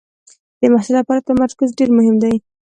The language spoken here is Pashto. د محصل لپاره تمرکز ډېر مهم دی.